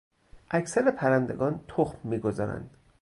اکثر پرندگان تخم میگذارند.